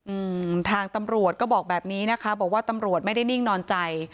อืมทางตำรวจก็บอกแบบนี้นะคะบอกว่าตำรวจไม่ได้นิ่งนอนใจ